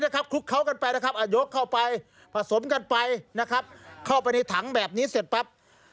เข้าไปในถังแบบนี้เสร็จปั๊บ